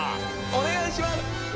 「お願いします！」